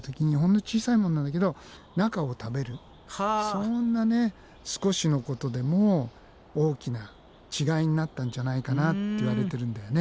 そんな少しのことでも大きな違いになったんじゃないかなっていわれてるんだよね。